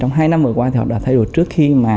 trong hai năm vừa qua thì họ đã thay đổi trước khi mà